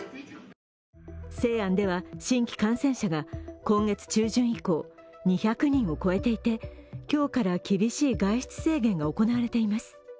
西安では、新規感染者が今月中旬以降２００人を超えていて、今日から厳しい外出制限が行われています。